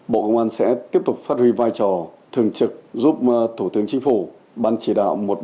bộ công an sẽ tiếp tục phát huy vai trò thường trực giúp thủ tướng chính phủ ban chỉ đạo một trăm một mươi ba